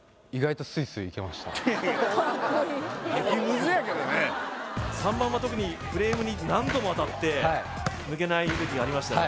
かっこいい３番は特にフレームに何度も当たって抜けない時がありましたね